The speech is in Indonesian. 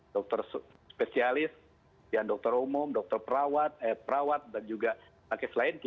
dokter spesialis doktor umum dokter perawat perawat dan juga paket lain